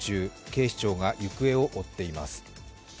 警視庁が行方を追っています。